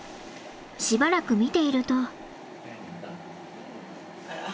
しばらく見ていると。